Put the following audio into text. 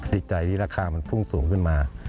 ดีใจที่ราคามันพุ่งสูงขึ้นมา